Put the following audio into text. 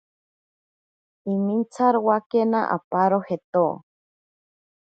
Imintsarowakena aparo jeto.